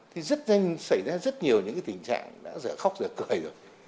thì rất nhanh xảy ra rất nhiều những tình trạng đã giờ khóc giờ cười rồi